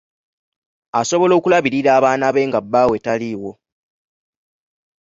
Asobola okulabirira abaana be nga bbaawe taliiwo.